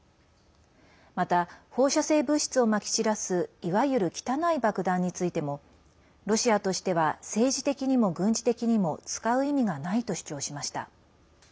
また、放射性物質をまき散らすいわゆる汚い爆弾についてもロシアとしては政治的にも軍事的にも使う意味がないと主張しました。